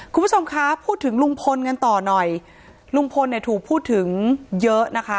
คุณผู้ชมคะพูดถึงลุงพลกันต่อหน่อยลุงพลเนี่ยถูกพูดถึงเยอะนะคะ